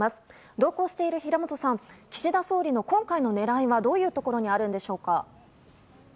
同行している平本さん岸田総理の今回の狙いは、どういうところにあるんでしょうか。